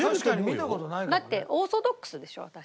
だってオーソドックスでしょ私。